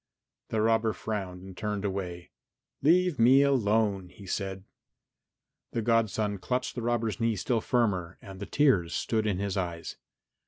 The robber frowned and turned away. "Leave me alone," he said. The godson clutched the robber's knee still firmer and the tears stood in his eyes.